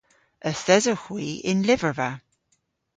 Yth esewgh hwi y'n lyverva.